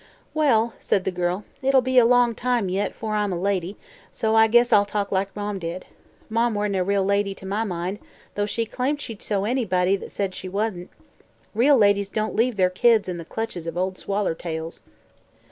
"Well," said the girl, "it'll be a long time, yit, afore I'm a lady, so I guess I'll talk like Marm did. Marm weren't a real lady, to my mind, though she claimed she'd show anybody that said she wasn't. Real ladies don't leave the'r kids in the clutches of Ol' Swallertails."